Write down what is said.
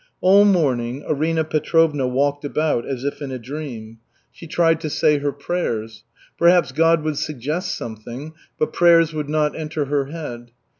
All morning Arina Petrovna walked about as if in a dream. She tried to say her prayers. Perhaps God would suggest something, but prayers would not enter her head.